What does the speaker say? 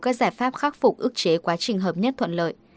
các giải pháp khắc phục ước chế quá trình hợp nhất thuận lợi